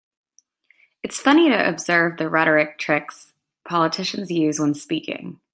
It's funny to observe the rhetoric tricks politicians use when speaking.